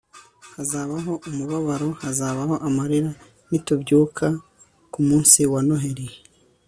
hazabaho umubabaro hazabaho amarira nitubyuka kumunsi wa noheri